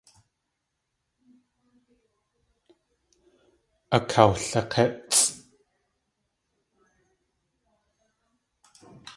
Akawlik̲étsʼ.